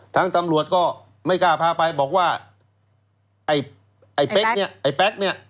ทางตำรวจก็ไม่กล้าพาไปบอกว่าไอ้ไอ้เป๊กเนี่ยไอ้เป๊กเนี่ย